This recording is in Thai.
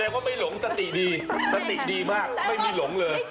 ว่าไม่หลงสติดีสติดีมากไม่มีหลงเลย